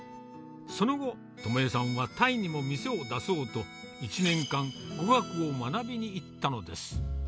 その後、知枝さんはタイにも店を出そうと、１年間、語学を学びに行ったのです。